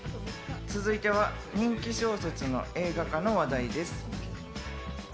続いては人気小説の映画化の話題です。